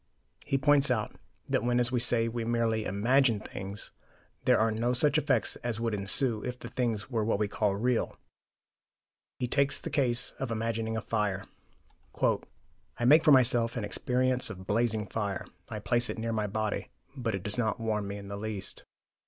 He points out that when, as we say, we merely "imagine" things, there are no such effects as would ensue if the things were what we call "real." He takes the case of imagining a fire. "I make for myself an experience of blazing fire; I place it near my body; but it does not warm me in the least.